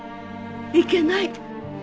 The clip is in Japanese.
いけない。